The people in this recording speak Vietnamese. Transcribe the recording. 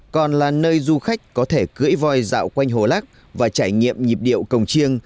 còn là nơi du khách có thể cưỡi voi dạo quanh hồ lác và trải nghiệm nhịp điệu cổng chiêng